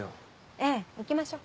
ええ行きましょう。